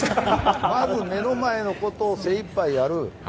まず、目の前のことを精いっぱいやる。